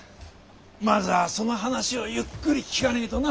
まずはその話をゆっくり聞かねぇとな。